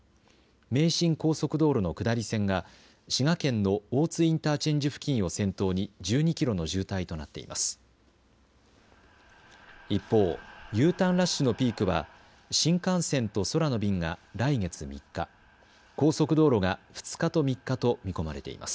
名神高速道路の下り線が滋賀県の大津インターチェンジ付近を先頭に１２キロの渋滞となっています。